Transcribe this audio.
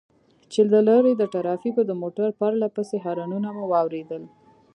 چې له لرې د ټرافيکو د موټر پرله پسې هارنونه مو واورېدل.